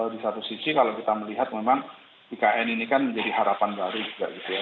di satu sisi kalau kita melihat memang ikn ini kan menjadi harapan baru juga gitu ya